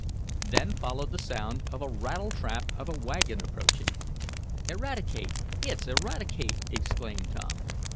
Then followed the sound of a rattletrap of a wagon approaching. "Eradicate! It's Eradicate!" exclaimed Tom.